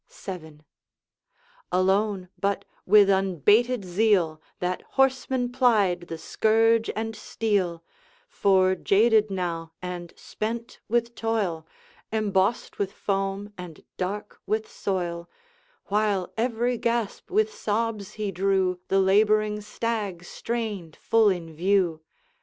VII. Alone, but with unbated zeal, That horseman plied the scourge and steel; For jaded now, and spent with toil, Embossed with foam, and dark with soil, While every gasp with sobs he drew, The laboring stag strained full in view.